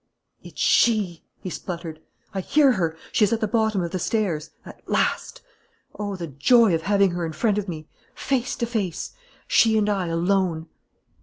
"It's she!" he spluttered. "I hear her! She is at the bottom of the stairs. At last! Oh, the joy of having her in front of me! Face to face! She and I alone!"